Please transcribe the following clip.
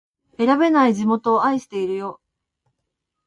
選べない地元を愛してるよ